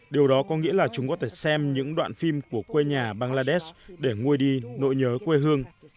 điều đó có nghĩa là chúng có thể xem những đoạn phim của quê nhà bangladesh để nguôi đi nỗi nhớ quê hương